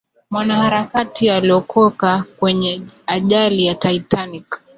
mwanaharakati aliokoka kwenye ajali ya titanic